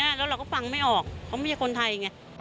แล้วเราก็ฟังไม่ออกเขาไม่ใช่คนไทยไง